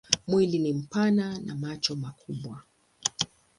Mwili ni mpana na macho makubwa.